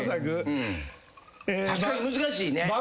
確かに難しいね。